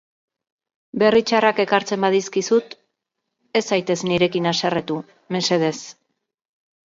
Berri txarrak ekartzen badizkizut, ez zaitez nirekin haserretu, mesedez.